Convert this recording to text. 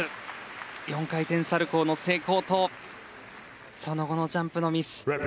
４回転サルコーの成功とその後のジャンプのミス。